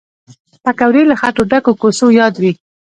پکورې له خټو ډکو کوڅو یادوي